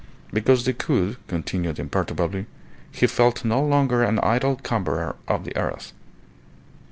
Because, Decoud continued imperturbably, he felt no longer an idle cumberer of the earth.